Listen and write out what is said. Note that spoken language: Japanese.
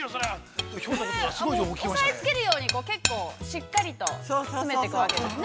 ◆押さえつけるように、しっかりと、詰めていくわけですね。